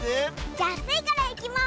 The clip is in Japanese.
じゃあスイからいきます！